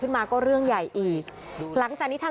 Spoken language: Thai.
เพราะถ้าไม่ฉีดก็ไม่ได้